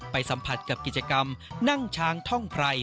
สัมผัสกับกิจกรรมนั่งช้างท่องไพร